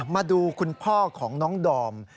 มาดูคุณพ่อของน้องดอม